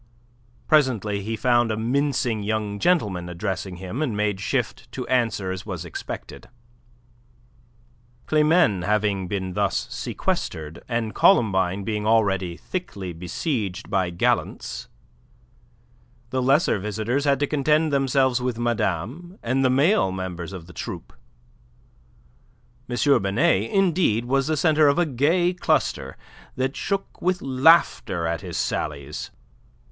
Presently he found a mincing young gentleman addressing him, and made shift to answer as was expected. Climene having been thus sequestered, and Columbine being already thickly besieged by gallants, the lesser visitors had to content themselves with Madame and the male members of the troupe. M. Binet, indeed, was the centre of a gay cluster that shook with laughter at his sallies.